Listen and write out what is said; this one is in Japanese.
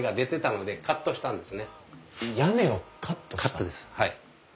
カットですはい。